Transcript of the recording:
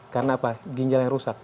karena apa ginjal yang rusak